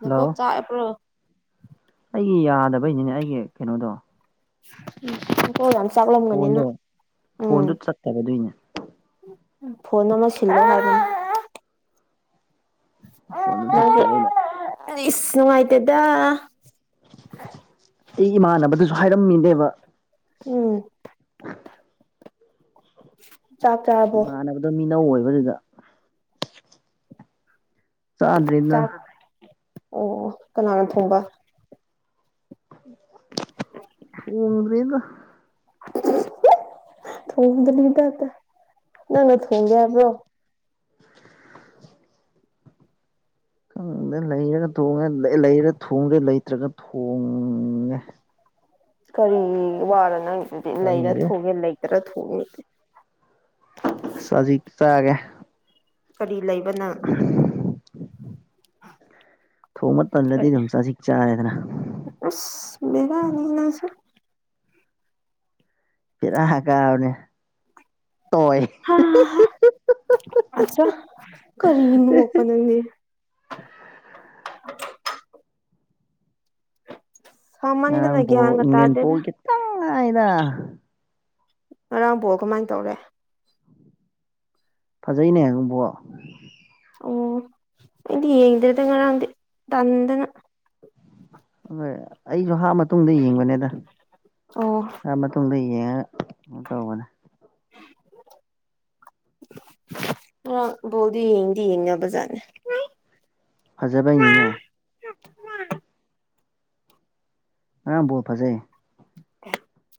ꯅ ꯍꯜꯂꯣ ꯀꯣꯛ ꯆꯥꯛꯑꯕ꯭ꯔꯣ ꯑꯩꯒꯤ ꯌꯥꯗꯕꯩꯅꯤꯅꯦ ꯑꯩꯒꯤ ꯀꯩꯅꯣꯗꯣ ꯅꯀꯣꯛ ꯌꯥꯝ ꯐꯣꯟꯗꯣ ꯆꯥꯛꯂꯝꯒꯅꯤꯅ ꯎꯝ ꯐꯣꯟꯗꯣ ꯆꯠꯇꯕꯗꯨꯏꯅꯦ ꯐꯣꯟꯗꯣ ꯂꯣꯏꯁꯤꯜꯂꯣ ꯍꯥꯏꯕꯅꯦ ꯐꯣꯟꯗꯣ ꯆꯠꯇꯕꯩꯅꯦ ꯅꯪꯒꯤ ꯏꯁ ꯅꯨꯡꯉꯥꯏꯇꯦꯗ ꯑꯩ ꯏꯃꯥꯟꯅꯕꯗꯨꯁꯨ ꯍꯥꯏꯔꯝꯃꯤꯅꯦꯕ ꯎꯝ ꯆꯥꯛ ꯆꯥ ꯏꯃꯥꯟꯅꯕꯗꯣ ꯃꯤꯅꯧ ꯑꯣꯏꯕꯗꯨꯗ ꯆꯥꯗ꯭ꯔꯤꯗ ꯆꯥꯛ ꯑꯣ ꯑꯣ ꯀꯅꯥꯅ ꯊꯣꯡꯕ ꯊꯣꯡꯗ꯭ꯔꯤꯗ ꯊꯣꯡꯒꯅꯤꯗꯗ ꯅꯪꯅ ꯊꯣꯡꯒꯦ ꯍꯥꯏꯕ꯭ꯔꯣ ꯈꯪꯗꯦ ꯂꯩꯔꯒ ꯊꯣꯡꯉꯦ ꯂꯩꯔ ꯊꯣꯡꯒꯦ ꯂꯩꯇ꯭ꯔꯒ ꯊꯣꯡꯉꯦ ꯀꯔꯤ ꯋꯥꯔ ꯅꯪꯒꯤꯗꯨꯗꯤ ꯂꯩꯔ ꯈꯪꯗꯦ ꯊꯣꯡꯉꯦ ꯂꯩꯇ꯭ꯔꯥ ꯊꯣꯡꯉꯦ ꯁꯖꯤꯛ ꯆꯥꯒꯦ ꯀꯔꯤ ꯂꯩꯕꯅꯪ ꯊꯣꯡꯃ ꯇꯜꯂꯗꯤ ꯑꯗꯨꯝ ꯆꯥꯖꯛ ꯆꯥꯔꯦꯗꯅ ꯑꯁ ꯕꯦꯔꯥꯅꯤ ꯅꯪꯁꯨ ꯕꯦꯔꯥꯍ ꯀꯥꯕꯅꯦ ꯇꯣꯏ ꯍꯥ ꯍꯥ ꯑꯆꯥ ꯀꯔꯤ ꯅꯣꯄꯟꯅꯪꯗꯤ ꯁꯥꯃꯟꯗꯅ ꯉꯔꯥꯡ ꯕꯣ ꯒ꯭ꯌꯥꯟꯒ ꯏꯪꯂꯦꯟ ꯇꯥꯗꯦꯗ ꯄꯣꯒꯦ ꯈꯤꯇꯪ ꯉꯥꯏꯗ ꯉꯔꯥꯡꯕꯣꯜ ꯀꯃꯥꯏꯅ ꯇꯧꯔꯦ ꯐꯖꯩꯅꯦꯕꯣ ꯑꯣ ꯑꯩꯗꯤ ꯌꯦꯡꯗꯦꯗ ꯉꯔꯥꯡꯗꯤ ꯇꯟꯗꯅ ꯎꯪꯉꯩ ꯑꯩꯖꯨ ꯍꯥꯞ ꯃꯇꯨꯡꯗ ꯌꯦꯡꯕꯅꯦꯗ ꯑꯣ ꯍꯥꯞ ꯃꯇꯨꯡ ꯇꯨꯡꯗ ꯌꯦꯡꯉꯒ ꯇꯧꯕꯅꯦ ꯉꯔꯥꯡ ꯕꯣꯜꯗꯤ ꯌꯦꯡꯗꯤ ꯌꯦꯡꯅꯕꯖꯥꯠꯅꯦ ꯐꯖꯕꯩꯅꯤꯅꯦ ꯉꯔꯥꯡ ꯕꯣꯜ ꯐꯖꯩ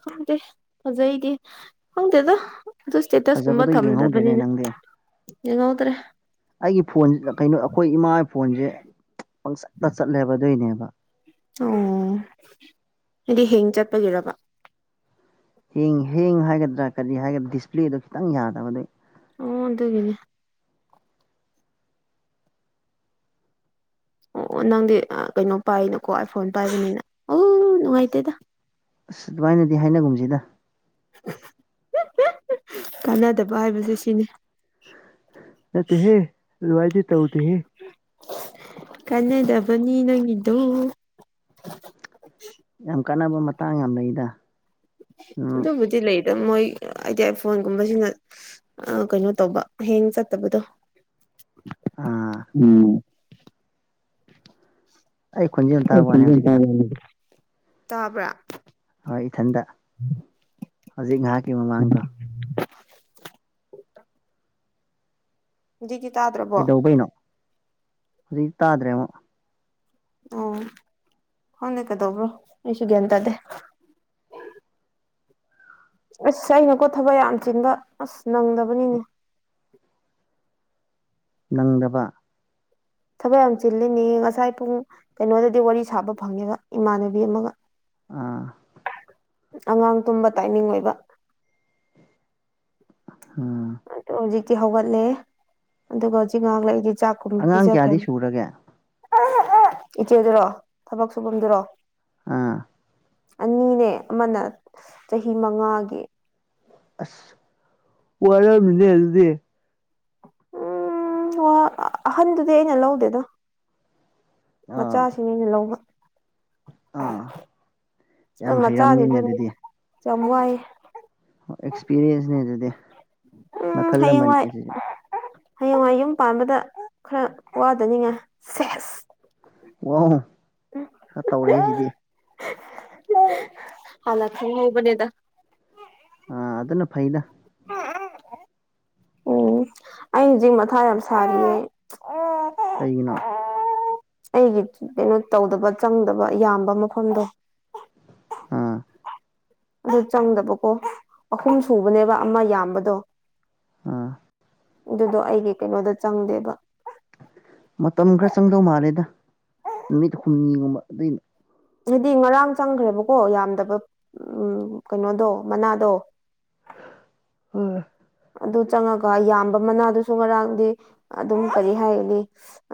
ꯈꯪꯗꯦ ꯐꯖꯩꯗꯤ ꯈꯪꯗꯦꯗ ꯑꯗꯨ ꯏꯁꯇꯦꯇꯁ ꯀꯨꯝꯕ ꯐꯖꯕꯗꯣ ꯌꯦꯡꯍꯧꯗ꯭ꯔꯦꯅꯦ ꯊꯝꯗꯕꯅꯤꯅ ꯅꯪꯗꯤ ꯌꯦꯡꯍꯧꯗ꯭ꯔꯦ ꯑꯩꯒꯤ ꯐꯣꯟ ꯀꯩꯅꯣ ꯑꯩꯈꯣꯏ ꯏꯃꯥꯒꯤ ꯐꯣꯟꯖꯦ ꯄꯪꯆꯠꯇ ꯆꯠꯂꯦꯕ ꯑꯗꯨꯏꯅꯦꯕ ꯑꯣ ꯍꯥꯏꯗꯤ ꯍꯦꯡ ꯆꯠꯄꯒꯤꯔꯕ ꯍꯦꯡ ꯍꯦꯡ ꯍꯥꯏꯒꯗ꯭ꯔꯥ ꯀꯔꯤ ꯍꯥꯏꯒꯗ꯭ꯔꯥ ꯗꯤꯁꯄ꯭ꯂꯦꯗꯣ ꯈꯤꯇꯪ ꯌꯥꯗꯕ ꯑꯗꯨꯏ ꯑꯣ ꯑꯗꯨꯒꯤꯅꯦ ꯑꯣ ꯑꯣ ꯅꯪꯗꯤ ꯀꯩꯅꯣ ꯄꯥꯏꯅꯀꯣ ꯑꯥꯏ ꯐꯣꯟ ꯄꯥꯏꯕꯅꯤꯅ ꯑꯣ ꯅꯨꯡꯉꯥꯏꯇꯦꯗ ꯑꯁ ꯑꯗꯨꯃꯥꯏꯅꯗꯤ ꯍꯥꯏꯅꯒꯨꯝꯖꯤꯗ [unintelligible] ꯀꯥꯟꯅꯗꯕ ꯍꯥꯏꯕꯖꯦ ꯁꯤꯅꯤ ꯅꯠꯇꯦ ꯍꯦ ꯂꯋꯥꯏꯗꯤ ꯇꯧꯗꯤꯍꯦ ꯀꯟꯅꯗꯕꯅꯤ ꯅꯪꯗꯨ ꯌꯥꯝ ꯀꯥꯟꯅꯕ ꯃꯇꯥꯡ ꯌꯥꯝ ꯂꯩꯗ ꯎꯝ ꯑꯗꯨꯕꯨꯗꯤ ꯂꯩꯗ ꯃꯣꯏ ꯍꯥꯏꯗꯤ ꯑꯥꯏ ꯐꯣꯟꯒꯨꯝꯕꯁꯤꯅ ꯑ ꯀꯩꯅꯣ ꯇꯧꯕ ꯍꯌꯦꯡ ꯆꯠꯇꯕꯗꯣ ꯑꯥ ꯎꯝ ꯑꯩ ꯈꯣꯟꯖꯦꯜ ꯇꯥꯕ ꯋꯥꯅꯦ ꯍꯧꯖꯤꯛꯀꯤꯗꯣ ꯇꯥꯕ꯭ꯔꯥ ꯍꯣꯏ ꯏꯊꯟꯗ ꯍꯧꯖꯤꯛ ꯉꯥꯏꯍꯥꯛꯀꯤ ꯃꯃꯥꯡꯗꯣ ꯗꯤ ꯇꯥꯗ꯭ꯔꯣ ꯀꯩꯗꯧꯕꯩꯅꯣ ꯍꯧꯖꯤꯛ ꯇꯥꯗ꯭ꯔꯦ ꯑꯃꯛ ꯑꯣ ꯍꯅꯦ ꯀꯗꯧꯕ꯭ꯔꯣ ꯑꯩꯁꯨ ꯒ꯭ꯌꯥꯟ ꯇꯥꯗꯦ ꯑꯁ ꯑꯩꯅꯀꯣ ꯊꯕꯛ ꯌꯥꯝ ꯆꯤꯟꯕ ꯑꯁ ꯅꯪꯗꯕꯅꯤꯅꯦ ꯅꯪꯗꯕ ꯊꯕꯛ ꯌꯥꯝ ꯆꯤꯜꯂꯤꯅꯦ ꯉꯁꯥꯏ ꯄꯨꯡ ꯀꯩꯅꯣꯗꯗꯤ ꯋꯥꯔꯤ ꯁꯥꯕ ꯐꯪꯉꯦꯕ ꯏꯃꯥꯟꯅꯕꯤ ꯑꯃꯒ ꯑꯥ ꯑꯉꯥꯡ ꯇꯨꯝꯕ ꯇꯥꯏꯃꯤꯡ ꯑꯣꯏꯕ ꯑꯝ ꯑꯗ ꯍꯧꯖꯤꯛꯇꯤ ꯍꯧꯒꯠꯂꯦ ꯑꯗꯨꯒ ꯍꯧꯖꯤꯛ ꯉꯍꯂꯛ ꯑꯩꯗꯤ ꯆꯥꯛꯀꯨꯝꯕ ꯑꯉꯥꯡ ꯀꯌꯥꯗꯤ ꯄꯤꯖꯈ꯭ꯔꯅꯤ ꯁꯨꯔꯒꯦ ꯏꯆꯦꯗꯨꯔꯣ ꯊꯕꯛ ꯁꯨꯐꯝꯗꯨꯔꯣ ꯑꯥ ꯑꯅꯤꯅꯦ ꯑꯃꯅ ꯆꯍꯤ ꯃꯉꯥꯒꯤ ꯑꯁ ꯋꯥꯔꯝꯅꯦ ꯑꯗꯨꯗꯤ ꯎꯝ ꯑꯍꯟꯗꯨꯗꯤ ꯑꯩꯅ ꯂꯧꯗꯦꯗꯣ ꯑꯥ ꯃꯆꯥꯁꯤꯡ ꯑꯩꯅ ꯂꯧꯕ ꯑꯥ ꯑ ꯌꯥꯝ ꯍꯩꯔꯝꯅꯤꯅꯦ ꯃꯆꯥꯗꯤꯗꯨꯅꯦ ꯑꯗꯨꯗꯤ ꯌꯥꯝ ꯋꯥꯏꯑꯦ ꯑꯦꯛꯁꯄꯤꯔꯤꯌꯦꯟꯁꯅꯦꯗꯤ ꯎꯝ ꯍꯌꯦꯡ ꯋꯥꯥꯏ ꯍꯌꯦꯡꯋꯥ ꯌꯨꯝ ꯄꯥꯟꯕꯗ ꯈꯔ ꯋꯥꯗꯅꯤꯡꯉꯥꯏ ꯁꯦꯁ ꯋꯥ ꯈꯔ ꯇꯧꯔꯦ ꯁꯤꯗꯤ ꯍꯂ ꯊ ꯍꯕꯅꯦꯗ ꯑ ꯑꯗꯨꯅ ꯐꯩꯗ [unintelligible] ꯎꯝ ꯑꯩ ꯍꯧꯖꯤꯛ ꯃꯊꯥ ꯌꯥꯝ ꯁꯥꯔꯤꯌꯦ ꯀꯩꯒꯤꯅꯣ ꯑꯩꯒꯤ ꯀꯩꯅꯣ ꯇꯧꯗꯕ ꯆꯪꯗꯕ ꯌꯥꯝꯕ ꯃꯐꯝꯗꯣ ꯑꯥ ꯑꯗꯨ ꯆꯪꯗꯕꯀꯣ ꯑꯍꯨꯝ ꯁꯨꯕꯅꯦꯕ ꯑꯃ ꯌꯥꯝꯕꯗꯣ ꯑꯥ ꯑꯗꯨꯗꯣ ꯑꯩꯒꯤ ꯀꯩꯅꯣꯗ ꯆꯪꯗꯦꯕ ꯃꯇꯝ ꯈꯔ ꯆꯪꯗꯧ ꯃꯥꯜꯂꯦꯗ ꯅꯨꯃꯤꯠ ꯍꯨꯝꯅꯤꯒꯨꯝꯕ ꯑꯗꯨꯏꯅ ꯍꯥꯏꯗꯤ ꯉꯔꯥꯡ ꯆꯪꯈ꯭ꯔꯦꯕꯀꯣ ꯌꯥꯝꯗꯕ ꯎꯝ ꯀꯩꯅꯣꯗꯣ ꯃꯅꯥꯗꯣ ꯍꯣꯏ ꯑꯗꯨ ꯆꯪꯉꯒ ꯌꯥꯝꯕ ꯃꯅꯥꯗꯨꯁꯨ ꯉꯔꯥꯡꯗꯤ ꯑꯗꯨꯝ ꯀꯔꯤ ꯍꯥꯏꯅꯤ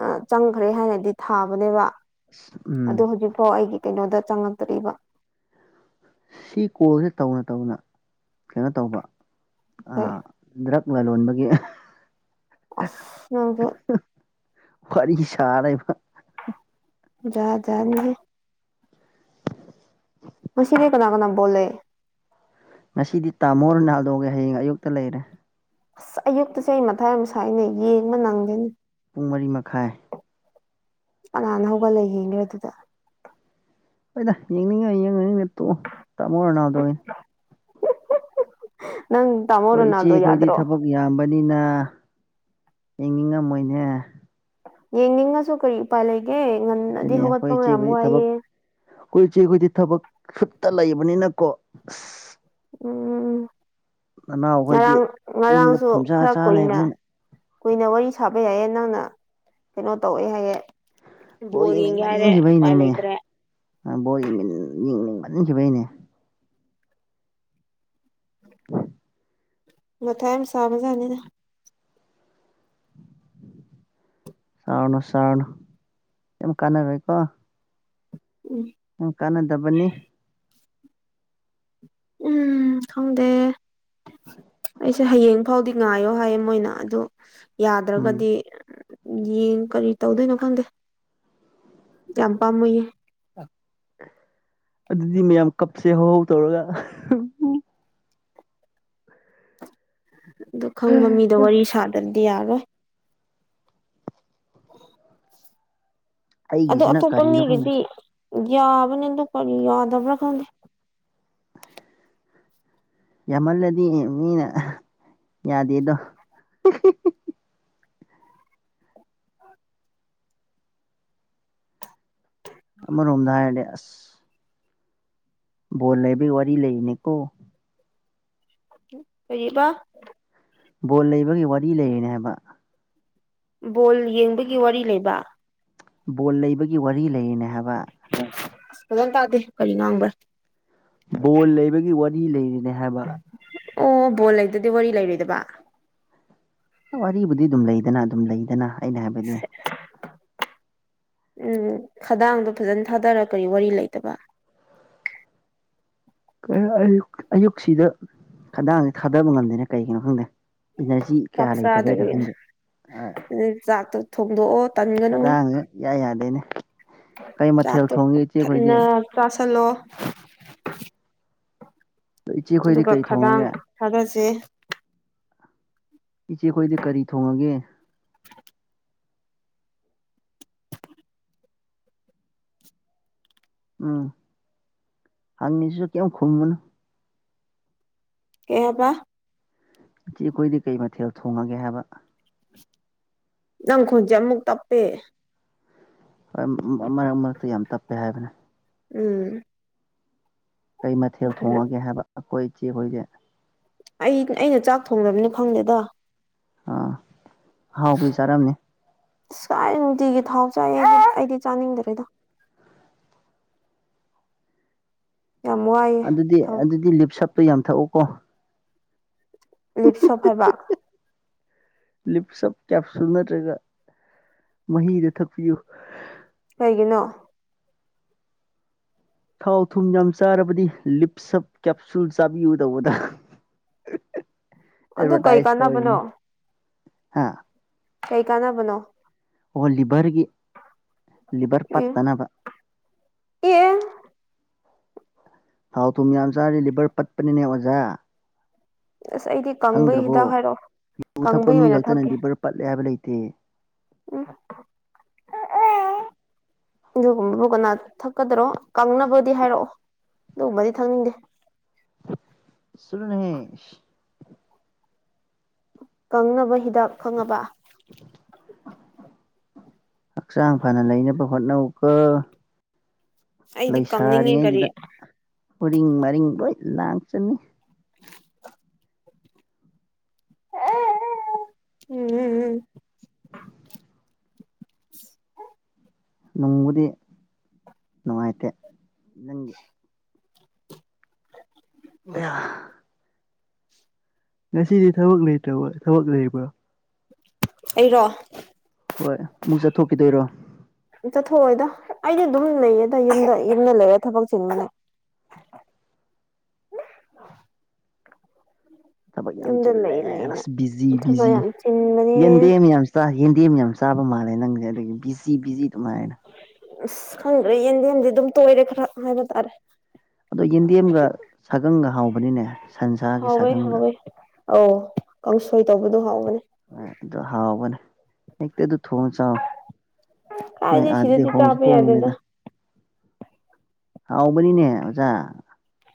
ꯑ ꯆꯪꯈ꯭ꯔꯦ ꯍꯥꯏꯅꯗꯤ ꯊꯥꯕꯅꯦꯕ ꯎꯝ ꯑꯗꯨ ꯍꯧꯖꯤꯛ ꯐꯥꯎ ꯑꯩꯒꯤ ꯀꯩꯅꯣꯗ ꯆꯪꯉꯛꯇꯣꯔꯤꯕ ꯁꯤ ꯀꯣꯜꯁꯦ ꯇꯧꯅ ꯇꯧꯅ ꯀꯩꯅꯣ ꯇꯧꯕ ꯑꯩꯈꯣꯏ ꯗ꯭ꯔꯛ ꯂꯂꯣꯟꯕꯒꯤ ꯑꯁ ꯅꯪꯁꯨ ꯐꯔꯤꯒꯤ ꯁꯅ ꯌꯥ ꯌꯥ ꯅꯦ ꯎ ꯃꯁꯤꯔꯦ ꯀꯅꯥ ꯀꯅꯥꯣꯦ ꯉꯁꯤꯗꯤ ꯇꯥꯃꯣ ꯅꯥꯜꯗꯣꯒꯦ ꯍꯌꯦꯡ ꯑꯌꯨꯛꯇ ꯂꯩꯔꯦ ꯑꯁ ꯑꯌꯨꯛꯇꯁꯦ ꯑꯩ ꯃꯊꯥꯏ ꯑꯃꯨ ꯁꯥꯏꯅꯦ ꯌꯦꯡꯕ ꯅꯪꯗꯦꯅꯦ ꯄꯨꯡ ꯃꯔꯤ ꯃꯈꯥꯏ ꯀꯅꯥꯥꯟꯅ ꯍꯧꯒꯠꯂ ꯌꯦꯡꯒꯦ ꯑꯗꯨꯗ ꯍꯣꯏꯗ ꯌꯦꯡꯅꯤꯡꯉꯥꯏ ꯌꯦꯡꯉꯅꯤꯅꯦ ꯇꯣꯛꯑꯣ ꯇꯥꯃꯣ ꯅꯥꯗꯣꯅꯦ ꯅꯪ ꯇꯥꯃꯣ ꯍꯣꯏ ꯏꯆꯦ ꯔꯣꯅꯥꯜꯗꯣ ꯑꯩꯈꯣꯏꯗꯤ ꯌꯥꯗ꯭ꯔꯣ ꯊꯕꯛ ꯌꯥꯝꯕꯅꯤꯅ ꯌꯦꯡꯅꯤꯡꯉꯝꯃꯣꯏꯅꯦ ꯌꯦꯡꯅꯤꯡꯉꯁꯨ ꯀꯔꯤ ꯎꯄꯥꯏ ꯂꯩꯒꯦ ꯉꯟꯅꯗꯤ ꯑꯗꯨꯅꯦ ꯍꯧꯒꯠꯄ ꯃꯌꯥꯝ ꯋꯥꯏꯑꯦ ꯑꯩꯈꯣꯏꯁꯦ ꯑꯩꯈꯣꯏꯗꯤ ꯊꯕꯛ ꯁꯨꯠꯇ ꯂꯩꯕꯅꯤꯅꯀꯣ ꯑꯁ ꯎꯝ ꯅꯅꯥꯎꯈꯣꯏꯗꯤ ꯉꯔꯥꯡ ꯌꯨꯝꯗ ꯉꯔꯥꯡꯁꯨ ꯐꯝꯖꯥ ꯈꯔ ꯆꯥ ꯀꯨꯏꯅ ꯂꯩꯕꯅꯤꯅ ꯀꯨꯏꯅ ꯋꯥꯔꯤ ꯁꯥꯕ ꯌꯥꯏꯌꯦ ꯅꯪꯅ ꯀꯩꯅꯣ ꯇꯧꯑꯦ ꯍꯥꯏꯌꯦ ꯕꯣꯜ ꯗ ꯌꯦ ꯍꯥꯏ ꯎꯄꯥꯏ ꯂꯩ ꯌꯦꯡꯅꯤꯡꯃꯟꯈꯤꯕꯩꯅꯦꯃꯤ ꯂꯩꯇ꯭ꯔꯦ ꯕꯣꯜ ꯌꯦꯡ ꯌꯦꯡꯅꯤꯡꯕꯟꯈꯤꯕꯒꯤꯅꯦ ꯎꯝ ꯃꯊꯥꯏ ꯌꯥꯝ ꯁꯥꯕꯖꯥꯅꯤꯅ ꯁꯔꯅꯣ ꯁꯥꯔꯅꯣ ꯌꯥꯝꯃ ꯀꯥꯟꯅꯒꯣꯏ ꯀꯣ ꯎꯝ ꯎꯪ ꯀꯥꯟꯗꯕꯅꯤ ꯎꯝ ꯈꯪꯗꯦ ꯑꯩꯁꯦ ꯍꯌꯦꯡ ꯐꯥꯎꯗꯤ ꯉꯥꯏꯌꯣ ꯍꯥꯏꯌꯦ ꯃꯣꯏꯅ ꯑꯗꯨ ꯎꯝ ꯌꯥꯗ꯭ꯔꯒꯗꯤ ꯌꯦꯡ ꯀꯔꯤ ꯇꯧꯗꯣꯏꯅꯣ ꯈꯪꯗꯦ ꯌꯥꯝ ꯄꯥꯝꯃꯌꯦ ꯑꯗꯨꯗꯤ ꯃꯌꯥꯝ ꯀꯞꯁꯦ ꯍꯧꯍꯥꯎ ꯇꯧꯔꯒ ꯎ ꯎ ꯑꯗꯨ ꯈꯪꯕ ꯃꯤꯗꯣ ꯋꯥꯔꯤ ꯁꯥꯗ꯭ꯔꯗꯤ ꯌꯥꯒꯣꯏ ꯑ ꯑꯗꯨ ꯑꯩꯒꯤꯁꯤꯅ ꯑꯇꯣꯞꯄ ꯀꯔꯤꯅꯣ ꯈꯪꯗꯦ ꯃꯤꯒꯤꯗꯤ ꯌꯥꯕꯅꯤ ꯑꯗꯨ ꯀꯔꯤ ꯌꯥꯗꯕ꯭ꯔꯥ ꯈꯪꯗꯦ ꯌꯥꯝꯃꯜꯂꯗꯤ ꯃꯤꯅ ꯌꯥꯗꯦꯗꯣ ꯑꯃꯔꯣꯝꯗ ꯍꯥꯏꯔꯗꯤ ꯑꯁ ꯕꯣꯜ ꯂꯩꯕꯒꯤ ꯋꯥꯔꯤ ꯂꯩꯅꯦꯀꯣ ꯀꯕ ꯕꯣꯜ ꯂꯩꯕꯒꯤ ꯋꯥꯔꯤ ꯂꯩꯔꯤꯅꯦ ꯍꯥꯏꯕ ꯕꯣꯜ ꯌꯦꯡꯕꯒꯤ ꯋꯥꯔꯤ ꯂꯩꯕ ꯕꯣꯜ ꯂꯩꯕꯒꯤ ꯋꯥꯔꯤ ꯂꯩꯔꯤꯅꯦ ꯍꯥꯏꯕ ꯑ ꯐꯖꯅ ꯇꯥꯗꯦ ꯀꯔꯤ ꯉꯥꯡꯕꯔ ꯕꯜ ꯂꯩꯕꯒꯤ ꯋꯥꯔꯤ ꯂꯩꯔꯤꯅꯦ ꯍꯥꯏꯕ ꯑꯣ ꯕꯣꯜ ꯂꯩꯇꯗꯤ ꯋꯥꯔꯤ ꯂꯩꯔꯣꯏꯗꯕ ꯋꯥꯔꯤꯕꯨꯗꯤ ꯑꯗꯨꯝ ꯂꯩꯗꯅ ꯑꯗꯨꯝ ꯂꯩꯗꯅ ꯑꯩꯅ ꯍꯥꯏꯕꯗꯤ ꯎꯝ ꯈꯗꯥꯡꯗꯣ ꯐꯖꯅ ꯊꯥꯗꯔꯒ ꯀꯔꯤ ꯋꯥꯔꯤ ꯂꯩꯇꯕ ꯑꯌꯨꯛꯁꯤꯗ ꯈꯟꯗꯥꯡꯁꯦ ꯊꯥꯗꯕ ꯉꯝꯗꯦꯅ ꯀꯩꯒꯤꯅꯣ ꯈꯪꯗꯦ ꯏꯅꯔꯖꯤ ꯀꯌꯥ ꯂꯩꯇꯕꯦꯗ ꯈꯪꯗꯦ ꯑꯗꯨ ꯆꯥꯛꯇꯣ ꯊꯣꯡꯗꯣꯛꯑꯣ ꯇꯟꯒꯅꯨ ꯌꯥꯏ ꯌꯥꯗꯣꯏꯅꯦ ꯆꯥ ꯊꯅ ꯆꯥꯥꯁꯜꯂꯣ ꯏꯆꯦꯈꯣꯏꯗꯤ ꯑꯗꯨꯒ ꯀꯩ ꯈꯗꯥꯡ ꯊꯣꯡꯉꯒꯦ ꯊꯥꯗꯁꯦ ꯏꯆꯦꯈꯣꯏꯗꯤ ꯀꯔꯤ ꯊꯣꯡꯉꯒꯦ ꯎꯝ ꯍꯪ ꯃꯤꯁꯨꯁꯨ ꯀꯩꯦꯝ ꯈꯨꯝꯅ ꯀꯕ ꯆ ꯑꯩꯈꯣꯏꯗꯤ ꯀꯩ ꯃꯊꯦꯜ ꯊꯣꯡꯉꯒꯦ ꯍꯥꯏꯕ ꯅꯪꯈꯣꯟꯁꯦ ꯑꯃꯨꯛ ꯇꯞꯄꯦ ꯍꯣꯏ ꯃꯔꯛ ꯃꯔꯛꯇ ꯌꯥꯝ ꯇꯞꯄꯦ ꯍꯥꯏꯕꯅꯦ ꯎꯝ ꯀꯩ ꯃꯊꯦꯜ ꯊꯣꯡꯉꯒꯦ ꯍꯥꯏꯕ ꯑꯩꯈꯣꯏ ꯏꯆꯦꯈꯣꯏꯁꯦ ꯑꯩ ꯑꯩꯅ ꯆꯥꯛ ꯊꯣꯡꯗꯕꯅꯤꯅ ꯈꯪꯗꯦꯗ ꯑꯥ ꯍꯥꯎꯕꯤ ꯆꯥꯔꯝꯅꯤ ꯆꯥꯏ ꯅꯨꯡꯇꯤꯒꯤ ꯊꯥꯎ ꯆꯥꯏꯌꯦ ꯑꯩꯗꯤ ꯆꯥꯅꯤꯡꯗ꯭ꯔꯦꯗ ꯌꯥꯝ ꯋꯥꯏꯑꯦ ꯑꯗꯨꯗꯤ ꯊꯥꯎ ꯑꯗꯨꯗꯤ ꯂꯤꯞ ꯁꯞꯇꯣ ꯌꯥꯝ ꯊꯛꯎꯀꯣ ꯂꯤꯞꯁꯞ ꯍꯥꯏꯕ ꯂꯤꯞꯁꯞ ꯀꯦꯞꯁꯨꯜ ꯅꯠꯇ꯭ꯔꯒ ꯃꯍꯤꯗ ꯊꯛꯄꯤꯌꯨ ꯀꯩꯒꯤꯅꯣ ꯊꯥꯎ ꯊꯨꯝ ꯌꯥꯝ ꯆꯥꯔꯕꯗꯤ ꯂꯤꯞ ꯁꯞ ꯀꯦꯞꯁꯨꯜ ꯆꯥꯕꯤꯌꯨ ꯇꯧꯕꯗ ꯑꯗꯨ ꯀꯩ ꯑꯦꯕꯇꯏꯁꯇ ꯑꯣꯏ ꯅꯤ ꯀꯥꯟꯅꯕꯅꯣ ꯍꯥ ꯀꯩ ꯀꯥꯟꯅꯅꯕꯅꯣ ꯑꯣ ꯂꯤꯚꯔꯒꯤ ꯂꯤꯚꯔ ꯑꯦ ꯄꯠꯇꯅꯕ ꯑꯦ ꯊꯥꯎ ꯊꯨꯝ ꯌꯥꯝ ꯆꯥꯔꯤ ꯂꯤꯚꯔ ꯄꯠꯄꯅꯤꯅꯦ ꯑꯣꯖꯥ ꯑꯁ ꯑꯩꯗꯤ ꯀꯪꯕꯒꯤ ꯈꯪꯗ꯭ꯔꯕꯣ ꯍꯤꯗꯥꯛ ꯍꯥꯏꯔꯛꯑꯣ ꯌꯨ ꯊꯛꯄ ꯀꯪꯕꯒꯤ ꯃꯤ ꯑꯣꯏꯅ ꯈꯛꯇꯅ ꯊꯛꯀꯦ ꯂꯤꯚꯔ ꯄꯠꯂꯦ ꯍꯥꯏꯕ ꯂꯩꯇꯦ ꯎꯝ [unintelligible] [inaudible] ꯑꯗꯨꯒꯨꯝꯕꯕꯨ ꯀꯅꯥ ꯊꯛꯀꯗꯔꯣ ꯀꯪꯅꯕꯗꯤ ꯍꯥꯏꯔꯛꯑꯣ ꯑꯗꯨꯒꯨꯝꯕꯗꯤ ꯊꯛꯅꯤꯡꯗꯦ ꯆꯂꯨꯅꯦꯍꯦ ꯀꯪꯅꯕ ꯍꯤꯗꯥꯛ ꯈꯪꯉꯕ ꯍꯛꯆꯥꯡ ꯐꯅ ꯂꯩꯅꯕ ꯍꯣꯠꯅꯧꯀꯣ ꯑꯩꯗꯤ ꯀꯪꯅꯤꯡꯉꯦ ꯀꯔꯤ ꯂꯩꯁꯥꯔꯤꯉꯩꯗꯨꯗ ꯎꯔꯤꯡ ꯃꯔꯤꯡ ꯂꯣꯏ ꯂꯥꯛ ꯆꯅꯤ [inaudible] [unintelligible] ꯎꯝ ꯎꯝ ꯎꯝ ꯅꯨꯡꯕꯨꯗꯤ ꯅꯨꯡꯉꯥꯏꯇꯦ ꯅꯪꯒꯤ ꯑ ꯉꯁꯤꯗꯤ ꯊꯕꯛ ꯅꯩꯇꯕ ꯊꯕꯛ ꯂꯩꯕ꯭ꯔꯥ ꯑꯩꯔꯣ ꯍꯣꯏ ꯑꯃꯨꯛ ꯆꯠꯊꯣꯛꯈꯤꯗꯣꯏꯔꯣ ꯆꯠꯊꯣꯛꯑꯣꯏꯗ ꯑꯩꯗꯤ ꯑꯗꯨꯝ ꯂꯩꯌꯦꯗ ꯌꯨꯝꯗ ꯌꯨꯝꯗ ꯂꯩꯔꯦ ꯊꯕꯛ ꯆꯤꯟꯕꯅꯦ ꯊꯕꯛ ꯌꯥꯝ ꯌꯨꯝꯗ ꯆꯜꯂꯦ ꯂꯩ ꯂꯩꯅ ꯑꯁ ꯕꯤꯖꯤ ꯊꯕꯛ ꯕꯤꯖꯤ ꯌꯥꯝ ꯆꯤꯟꯕꯅꯦ ꯌꯦꯟꯗꯦ ꯃꯌꯥꯝ ꯆ ꯌꯦꯟꯗꯦꯝ ꯌꯥꯝ ꯆꯥꯕ ꯃꯥꯜꯂꯦ ꯅꯪꯁꯦ ꯑꯗꯒꯤ ꯕꯤꯖꯤ ꯕꯤꯖꯤ ꯑꯗꯨꯃꯥꯏꯅ ꯑꯁ ꯈꯪꯗ꯭ꯔꯦ ꯌꯦꯟꯗꯦꯝꯗꯤ ꯑꯗꯨꯝ ꯇꯣꯏꯔꯦ ꯈꯔ ꯍꯥꯏꯕ ꯇꯥꯔꯦ ꯑꯗꯣ ꯌꯦꯟꯗꯦꯝꯒ ꯁꯥꯒꯪꯒ ꯍꯥꯎꯕꯅꯤꯅꯦ ꯁꯟꯁꯥꯒꯤ ꯍꯥꯎꯋꯦ ꯁꯥꯒꯪꯒ ꯍꯥꯎꯋꯦ ꯑ ꯀꯥꯡꯁꯣꯏ ꯇꯧꯕꯗꯣ ꯍꯥꯎꯒꯅꯤ ꯑꯗꯨ ꯍꯥꯎꯕꯅꯦ ꯍꯦꯛꯇ ꯑꯗꯨ ꯊꯣꯉ ꯆꯥꯎ ꯅ ꯀꯥꯏꯗꯩ ꯑꯗꯤ ꯁꯤꯗꯗꯤ ꯍꯣꯡꯁꯨ ꯆꯥꯕ ꯌꯥꯗꯦꯗ ꯍꯣꯡꯕꯅꯦꯗ ꯍꯥꯎꯕꯅꯤꯅꯦ ꯑꯣꯖꯥ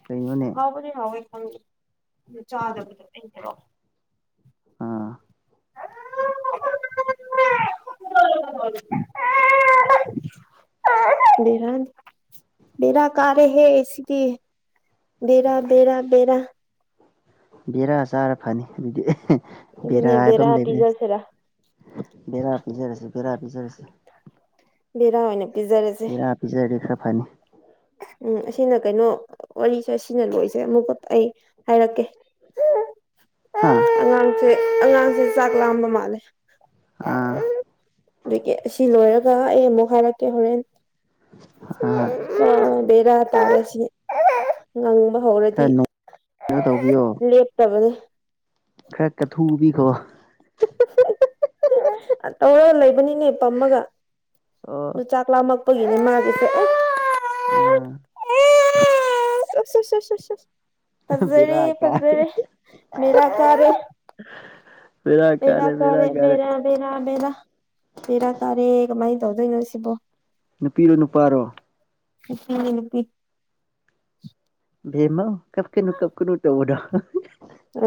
ꯀꯩꯅꯣꯅꯦ ꯍꯥꯎꯕꯅꯦ ꯍꯥꯎꯋꯦ ꯈꯪ ꯆꯥꯗꯕꯗꯣ ꯂꯩꯗꯔꯛꯑꯣ ꯑꯥ [unintelligible] [unintelligible] ꯕꯦꯔ ꯀꯔꯦꯍꯦ ꯁꯤꯗꯤ ꯕꯦꯔꯥ ꯕꯦꯔꯥ ꯕꯦꯔꯥ ꯕꯦꯔꯥ ꯆꯥꯔ ꯐꯅꯤ ꯑꯗꯨꯗꯤ ꯕꯦꯔꯥ ꯑꯗꯨꯅꯦ ꯍꯥꯏꯕ ꯑꯃ ꯂꯩꯕꯅꯦ ꯄꯤꯖꯁꯤꯔꯥ ꯕꯦꯔꯥ ꯄꯤꯖꯔꯁꯦ ꯕꯦꯔꯥ ꯄꯤꯖꯔꯁꯦ ꯕꯦꯔꯥ ꯑꯣꯏꯅ ꯄꯤꯖꯥ ꯔꯁꯦ ꯕꯦꯔꯥ ꯄꯤꯖꯔꯗꯤ ꯈꯔ ꯐꯅꯤ ꯎꯝ ꯑꯁꯤꯅ ꯀꯩꯅꯣ ꯋꯥꯔꯤꯁꯦ ꯁꯤꯅ ꯂꯣꯏꯁꯦ ꯑꯃꯨꯛꯀ ꯑꯩ ꯍꯥꯏꯔꯛꯀꯦ ꯍꯥꯥ ꯑꯉꯥꯡꯁꯦ ꯑꯉꯥꯡꯁꯦ ꯆꯥꯛ ꯂꯥꯝꯕ ꯃꯥꯜꯂꯦ ꯑꯥ ꯑꯗꯒꯤ ꯑꯁꯤ ꯂꯣꯏꯔꯒ ꯑꯩ ꯑꯃꯨꯛ ꯍꯥꯏꯔꯛꯀꯦ ꯍꯣꯔꯦꯟ ꯍꯥ ꯈꯪꯗꯦꯗ ꯇꯧꯔꯤꯁꯤ ꯉꯪꯕ ꯈꯔ ꯍꯧꯔꯗꯤ ꯅꯣꯡꯩꯅꯣ ꯇꯧꯕꯤꯌꯣ ꯂꯦꯞꯇꯕꯩ ꯈꯔ ꯀꯊꯨꯕꯤꯒꯣ ꯇꯧꯔ ꯂꯩꯕꯅꯤꯅꯦ ꯄꯝꯃꯒ ꯑꯣ ꯑꯗꯨ ꯆꯥꯛ ꯂꯥꯝꯃꯛꯄꯒꯤꯅꯤꯅ ꯃꯥꯒꯤꯁꯦ ꯎꯝ ꯎꯝ ꯁꯤ ꯁꯤ ꯁꯤ ꯐꯖꯔꯦ ꯕꯤꯔꯥ ꯀꯥꯏ ꯐꯖꯔꯦ ꯕꯦꯔ ꯀꯥꯔꯦ ꯕꯦꯔꯥ ꯀꯔꯦ ꯕꯦꯔꯥ ꯕꯦꯔꯥ ꯕꯦꯔꯥ ꯕꯦꯔꯥ ꯇꯥꯔꯦ ꯀꯃꯥꯏ ꯇꯧꯗꯣꯏꯅꯣ ꯁꯤꯕꯨ ꯅꯨꯄꯤꯔꯣ ꯅꯨꯄꯥꯔꯣ ꯅꯨꯄꯤꯅꯦ ꯅꯨꯄꯤ [inaudible] ꯚꯦꯝꯃꯧ ꯀꯐꯀꯥꯅꯨ ꯀꯐꯀꯥꯅꯨ ꯇꯧꯕꯗꯣ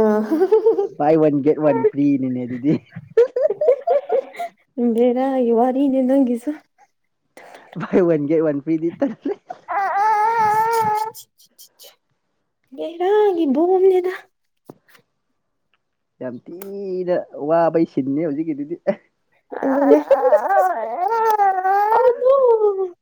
ꯑ ꯕꯥꯏ ꯋꯥꯟ ꯒꯦꯠ ꯋꯥꯟ ꯐ꯭ꯔꯤꯅꯤꯅꯦ ꯑꯗꯨꯗꯤ ꯕꯦꯔꯥꯒꯤ ꯋꯥꯔꯤꯅꯦ ꯅꯪꯒꯤꯁꯤ ꯕꯥꯢ ꯋꯥꯟ ꯒꯦꯠ ꯋꯥꯟ ꯐꯔꯤꯗꯤ ꯇꯜꯂꯦ ꯑꯁ ꯕꯦꯔꯥꯒꯤ ꯗꯣꯟꯅꯤꯗ ꯌꯥꯝ ꯊꯤꯅ ꯋꯥꯕꯩ ꯁꯤꯟꯅꯤ ꯍꯧꯖꯤꯛꯀꯤꯗꯨꯗꯤ [unintelligible] [inaudible]